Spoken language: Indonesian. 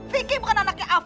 vicky bukan anaknya afif